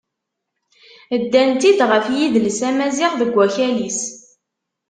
Ddan-tt-id ɣef yidles amaziɣ deg akal-is.